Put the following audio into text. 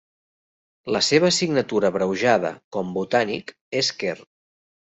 La seva signatura abreujada com botànic és Quer.